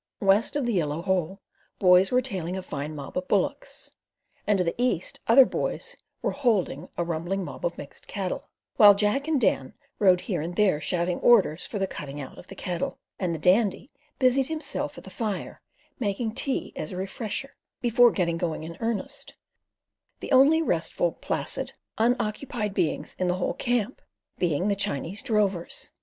West of the Yellow Hole boys were tailing a fine mob of bullocks, and to the east other "boys" were "holding" a rumbling mob of mixed cattle, and while Jack and Dan rode here and there shouting orders for the "cutting out" of the cattle, the Dandy busied himself at the fire, making tea as a refresher, before getting going in earnest, the only restful, placid, unoccupied beings in the whole camp being the Chinese drovers.